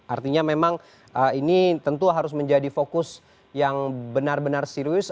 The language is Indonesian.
artinya memang ini tentu harus menjadi fokus yang benar benar serius